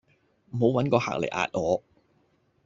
唔好搵個客嚟壓我